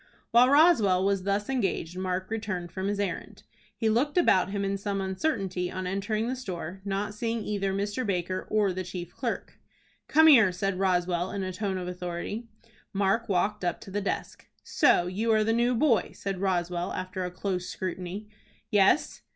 While Roswell was thus engaged Mark returned from his errand. He looked about him in some uncertainty on entering the store, not seeing either Mr. Baker or the chief clerk. "Come here," said Roswell, in a tone of authority. Mark walked up to the desk. "So you are the new boy?" said Roswell, after a close scrutiny. "Yes."